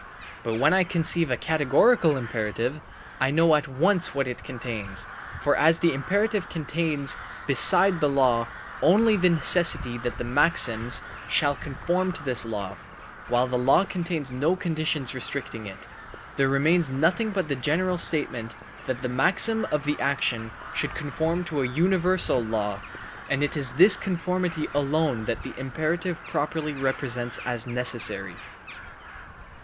But when I conceive a categorical imperative, I know at once what it contains. For as the imperative contains besides the law only the necessity that the maxims * shall conform to this law, while the law contains no conditions restricting it, there remains nothing but the general statement that the maxim of the action should conform to a universal law, and it is this conformity alone that the imperative properly represents as necessary.